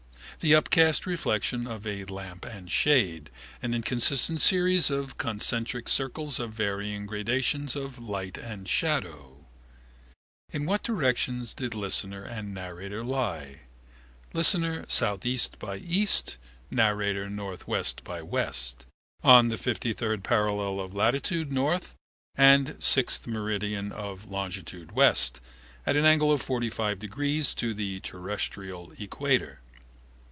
The upcast reflection of a lamp and shade, an inconstant series of concentric circles of varying gradations of light and shadow. In what directions did listener and narrator lie? Listener, S. E. by E.: Narrator, N. W. by W.: on the 53rd parallel of latitude, N., and 6th meridian of longitude, W.: at an angle of 45° to the terrestrial equator.